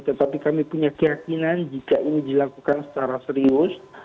tetapi kami punya keyakinan jika ini dilakukan secara serius